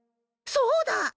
そうだ！